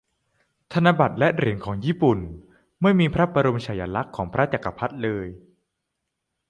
ธนบัตรและหรียนของญี่ปุ่นไม่มีพระบรมนมฉายาลักษ์ของพระจักรพรรดิเลย